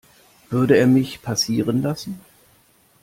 Würde er mich passieren lassen?